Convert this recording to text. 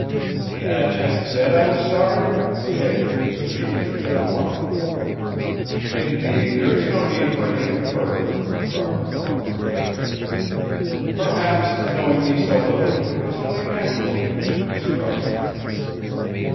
"Ain't I just said I was sorry?" hedged the sheepish Janoah. "Indeed, there is no need for anything further," Robert Morton protested. "Perhaps, knowing me so little, it was only natural that he should distrust me."